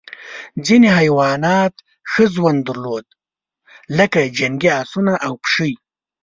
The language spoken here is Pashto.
ځینې حیوانات ښه ژوند درلود لکه جنګي اسونه او پشۍ.